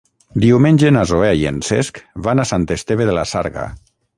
Diumenge na Zoè i en Cesc van a Sant Esteve de la Sarga.